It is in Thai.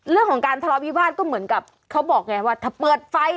เรื่องของการทะเลาวิวาสก็เหมือนกับเขาบอกไงว่าถ้าเปิดไฟ